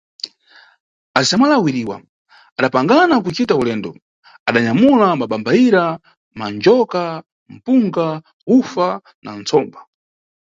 Azixamwali awiriwa adapangana kucita ulendo, adanyamula bambayira, manjoka, mpunga, ufa na ntsomba.